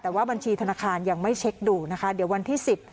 แต่ว่าบัญชีธนาคารยังไม่เช็คดูนะคะเดี๋ยววันที่สิบ